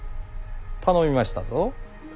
頼みましたぞ。